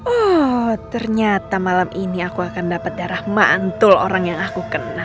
oh ternyata malam ini aku akan dapat darah mantul orang yang aku kenal